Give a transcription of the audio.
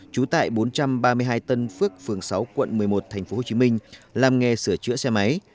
trú tại bốn trăm ba mươi hai tân phước phường sáu quận một mươi một tp hcm làm nghề sửa chữa xe máy